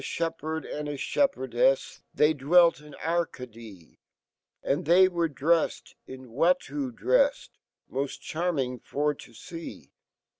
fhepherd and a fhepherdefj, They dwelt in Arcadee, And fhey were dreffed in Watteau drefs, S\(i charming fop to fee